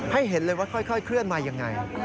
ให้เห็นเลยว่าค่อยเคลื่อนมาอย่างไร